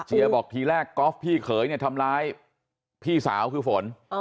บอกทีแรกกอล์ฟพี่เขยเนี่ยทำร้ายพี่สาวคือฝน